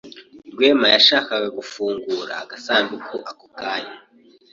Rwema yashakaga gufungura agasanduku ako kanya,